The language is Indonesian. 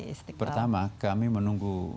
istiqlal pertama kami menunggu